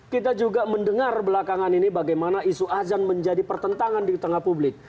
kita juga mendengar belakangan ini bagaimana isu azan menjadi pertentangan di tengah publik